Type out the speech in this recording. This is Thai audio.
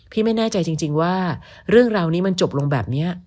พี่ไม่แน่ใจจริงว่าเรื่องราวนี้มันจบลงแบบนี้